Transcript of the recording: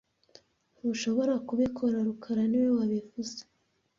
Ntushobora kubikora rukara niwe wabivuze